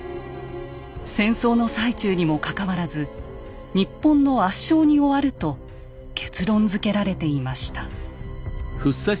戦争の最中にもかかわらず日本の圧勝に終わると結論づけられていました。